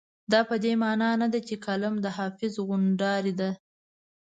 دا په دې مانا نه ده چې کالم د حافظ غونډارۍ ده.